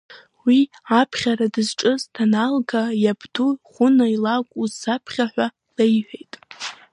Уи аԥхьара дызҿыз даналга, иабду Хәына илакә усзаԥхьа ҳәа леиҳәеит.